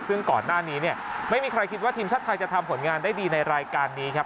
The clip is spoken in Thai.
ซึ่งก่อนหน้านี้เนี่ยไม่มีใครคิดว่าทีมชาติไทยจะทำผลงานได้ดีในรายการนี้ครับ